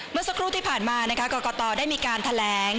เมื่อสักครู่ที่ผ่านมากรกตได้มีการแถลง